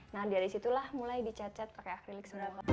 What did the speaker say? nah dari situlah mulai dicet cet pakai akrilik